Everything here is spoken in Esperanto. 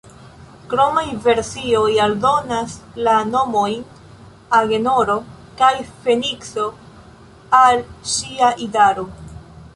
Kromaj versioj aldonas la nomojn Agenoro kaj Fenikso al ŝia idaro.